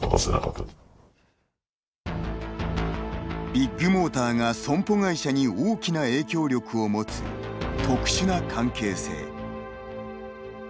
ビッグモーターが損保会社に大きな影響力を持つ特殊な関係性。